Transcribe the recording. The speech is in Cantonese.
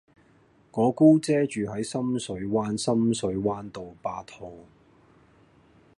我姑姐住喺深水灣深水灣道八號